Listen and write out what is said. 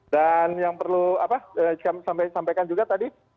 dan yang perlu disampaikan juga tadi